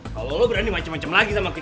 kalo lo berani macem macem lagi sama gue ya